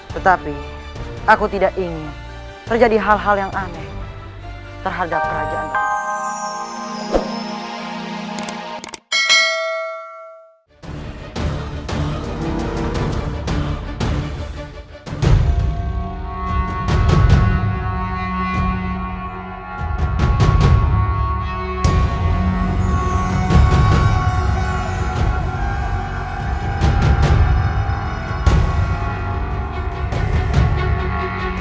tetapi aku tidak ingin terjadi hal hal yang aneh terhadap kerajaan batu jajah